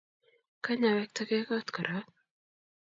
kany awektagei koot korok.